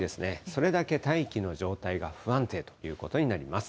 それだけ大気の状態が不安定ということになります。